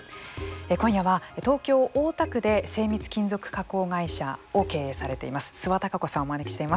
今夜は、東京・大田区で精密金属加工会社を経営されています